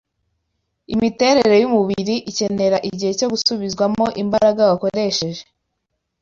Imiterere y’umubiri ikenera igihe cyo gusubizwamo imbaraga wakoresheje